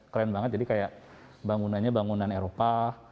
keren banget jadi kayak bangunannya bangunan eropa